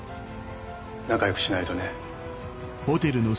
仲良くしないとね。